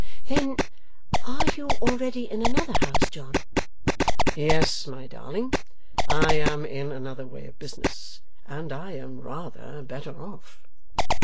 'Then, are you already in another House, John?' 'Yes, my darling. I am in another way of business. And I am rather better off.